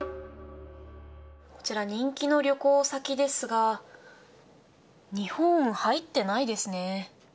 こちら、人気の旅行先ですが、日本は入ってないですね。